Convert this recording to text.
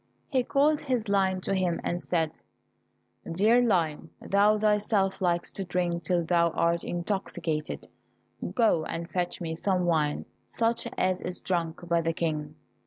He called his lion to him and said, "Dear Lion, thou thyself likest to drink till thou art intoxicated, go and fetch me some wine, such as is drunk by the King."